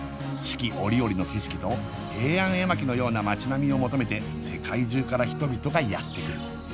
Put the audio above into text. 四季折々の景色と平安絵巻のような町並みを求めて世界中から人々がやって来る